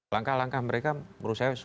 langkah langkah mereka menurut saya